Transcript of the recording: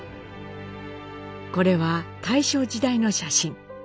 これは大正時代の写真。